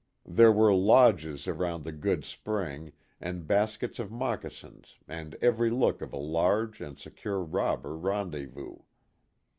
There were lodges around the good spring and baskets of KIT CARSON. 37 moccasins and every look of a large and secure robber rendezvous.